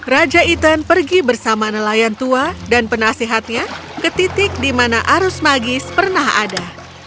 raja ethan pergi bersama nelayan tua dan penasehatnya ke titik di mana arus magis pernah ada